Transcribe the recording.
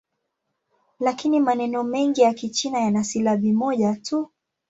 Lakini maneno mengi ya Kichina yana silabi moja tu.